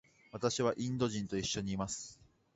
私はインド人と一緒にいます。